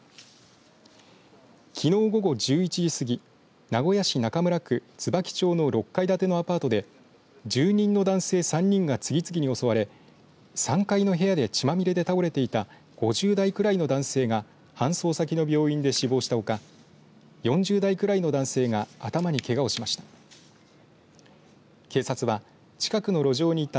きのう午後１１時すぎ名古屋市中村区椿町の６階建てのアパートで住人の男性３人が次々に襲われ３階の部屋で血まみれで倒れていた５０代くらいの男性が搬送先の病院で死亡したほか４０代くらいの男性が頭にけがをしました。